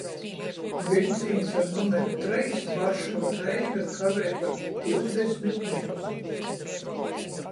Viļcīņs ar numeri treis Varšava — Reiga kavej par divdesmit minutom.